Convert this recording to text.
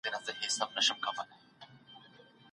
مثبت کسان ستاسو د ژوند رڼا ده.